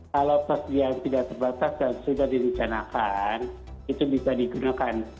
kalau persediaan tidak terbatas dan sudah direncanakan itu bisa digunakan